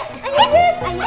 kita main sepeda